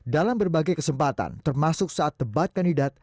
dalam berbagai kesempatan termasuk saat debat kandidat